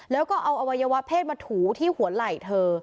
แล้วก็เอาอวัยวะเพศมาถูที่หัวไหล่เธอ